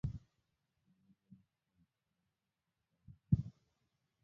Usimamizi na ulishaji sahihi wa wanyama